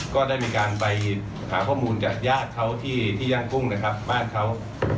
ก็ได้มีการไปหาข้อมูลจากญาติเขาที่ย่างกุ้งนะครับบ้านเขา